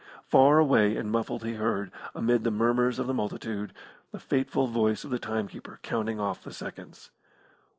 Far away and muffled he heard, amid the murmurs of the multitude, the fateful voice of the timekeeper counting off the seconds.